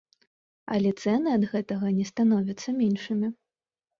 Але цэны ад гэтага не становяцца меншымі.